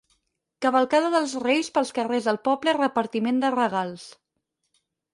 Cavalcada dels reis pels carrers del poble i repartiment de regals.